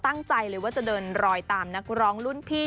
ตั้งใจเลยว่าจะเดินรอยตามนักร้องรุ่นพี่